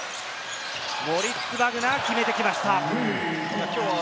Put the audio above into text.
モリッツ・バグナーが決めてきました。